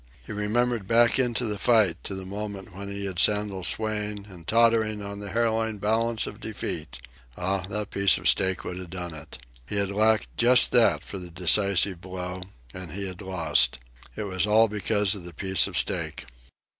He remembered back into the fight to the moment when he had Sandel swaying and tottering on the hair line balance of defeat. Ah, that piece of steak would have done it! He had lacked just that for the decisive blow, and he had lost. It was all because of the piece of steak.